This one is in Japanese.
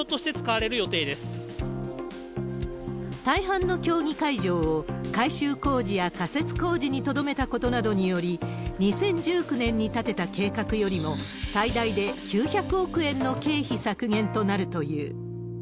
大半の競技会場を改修工事や仮設工事にとどめたことなどにより、２０１９年に立てた計画よりも最大で９００億円の経費削減となるという。